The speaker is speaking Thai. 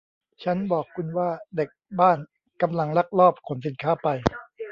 ฉันบอกคุณว่าเด็กบ้านกำลังลักลอบขนสินค้าไป